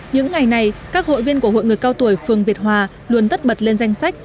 những ngày này các hội viên của hội người cao tuổi phường việt hòa luôn tất bật lên danh sách